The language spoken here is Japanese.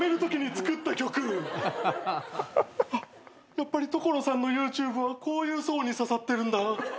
やっぱり所さんのＹｏｕＴｕｂｅはこういう層に刺さってるんだ。